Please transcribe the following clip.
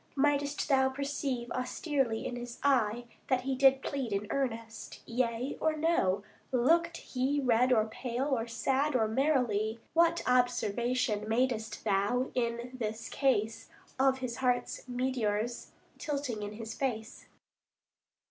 Mightst thou perceive austerely in his eye That he did plead in earnest? yea or no? Look'd he or red or pale, or sad or merrily? What observation madest thou, in this case, 5 Of his heart's meteors tilting in his face?